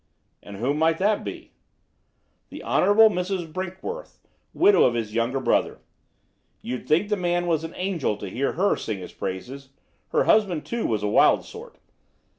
"And who might that be?" "The Hon. Mrs. Brinkworth, widow of his younger brother. You'd think the man was an angel to hear her sing his praises. Her husband, too, was a wild sort.